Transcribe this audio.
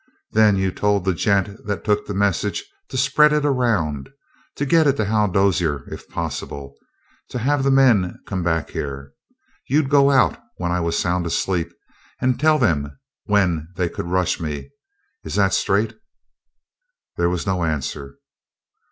Then you told the gent that took the message to spread it around to get it to Hal Dozier, if possible to have the men come back here. You'd go out, when I was sound asleep, and tell them when they could rush me. Is that straight?" There was no answer.